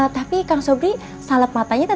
dia yeregang congil masih sedang